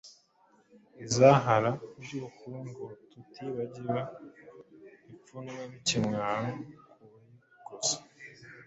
Izahara ry’ubukungu tutibagiwe ipfunwe n’ikimwaro ku bayikoze.